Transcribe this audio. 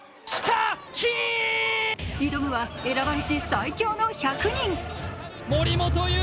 挑むは選ばれし最強の１００人。